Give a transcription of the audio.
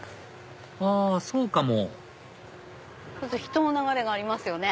あそうかも人の流れがありますよね。